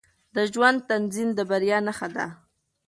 د ژوند نظم د بریا نښه ده.